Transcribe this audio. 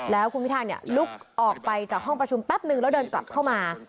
แล้วคุณพิธาลุกออกไปจากห้องประชุมแป๊บนึงแล้วเดินกลับเข้ามา